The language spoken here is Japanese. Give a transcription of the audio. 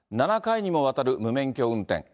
７回にもわたる無免許運転。